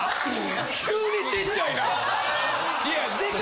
急にちっちゃいな！